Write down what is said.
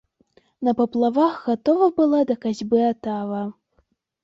На паплавах гатова была да касьбы атава.